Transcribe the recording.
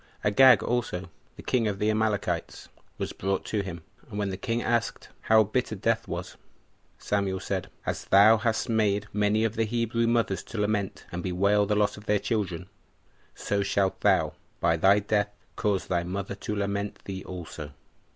Agag also, the king of the Amalekites, was brought to him; and when the king asked, How bitter death was? Samuel said, "As thou hast made many of the Hebrew mothers to lament and bewail the loss of their children, so shalt thou, by thy death, cause thy mother to lament thee also."